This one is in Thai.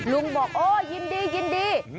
ลุงบอกโอ้ยินดี